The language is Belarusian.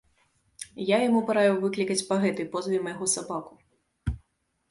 Я яму параіў выклікаць па гэтай позве майго сабаку.